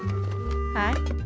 はい。